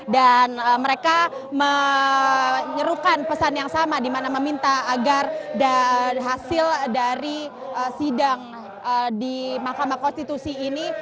dan mereka menyerukan pesan yang sama dimana meminta agar hasil dari sidang di mahkamah konstitusi ini